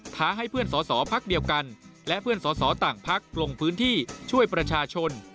ท้าให้เพื่อนสอสอพักเดียวกันและเพื่อนสอสอต่างพักลงพื้นที่ช่วยประชาชน